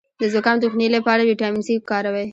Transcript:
د زکام د مخنیوي لپاره ویټامین سي وکاروئ